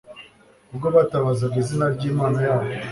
Ubwo batabazaga izina ryimana yabo